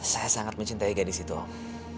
saya sangat mencintai gadis itu